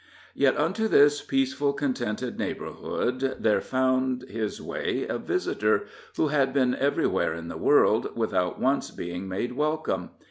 Yet unto this peaceful, contented neighborhood there found his way a visitor who had been everywhere in the world without once being made welcome.